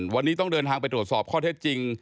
วันนี้ต้องเดินทางไปตรวจสอบข้อเท็จจริง